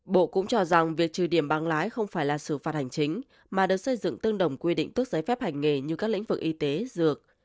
bộ cũng cho rằng việc trừ điểm bằng lái không phải là xử phạt hành chính mà được xây dựng tương đồng quy định tước giấy phép hành nghề như các lĩnh vực y tế dược